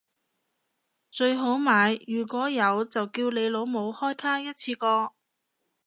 最好買如果有就叫你老母開卡一次過